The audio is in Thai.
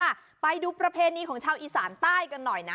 ไปดูประเพณีของชาวอีสานใต้กันหน่อยนะ